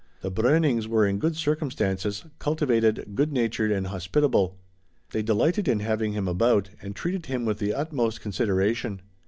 The Breunings were in good circumstances, cultivated, good natured and hospitable. They delighted in having him about, and treated him with the utmost consideration.